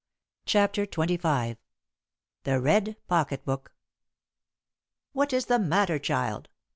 CHAPTER XXV. THE RED POCKET BOOK. "What is the matter, child?"